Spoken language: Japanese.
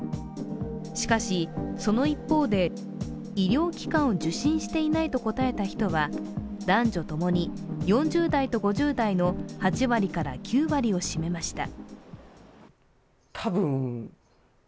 しかし、その一方で、医療機関を受診していないと答えた人は男女共に４０代と５０代の８割から９割を占めました。